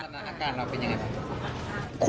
สำหรับอาการเราเป็นอย่างไรครับ